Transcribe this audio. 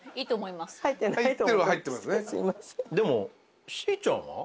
でもしーちゃんは？